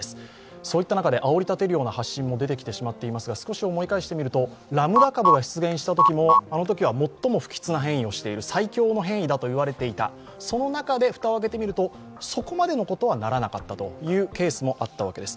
そういった中であおりたてるような発信も出てきてしまっていますがラムダ株が出現したときも、あのときは最強の変異だと言われていたその中で蓋を開けてみるとそこまでのことにはならなかったというケースもあるわけです。